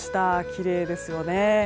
きれいですよね。